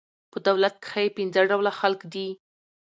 په دولت کښي پنځه ډوله خلک دي.